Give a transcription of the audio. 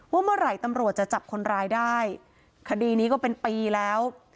ว่าเมื่อไหร่ตำรวจจะจับคนร้ายได้คดีนี้ก็เป็นปีแล้ว